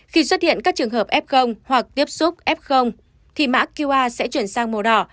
khi xuất hiện các trường hợp f hoặc tiếp xúc f thì mã qr sẽ chuyển sang màu đỏ